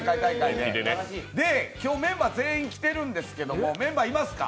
で、今日、メンバー全員来てるんですけどもメンバーいますか？